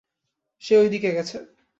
সে ঐ দিকে গেছে।